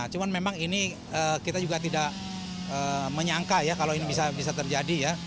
cuma memang ini kita juga tidak menyangka ya kalau ini bisa terjadi ya